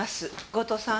後藤さん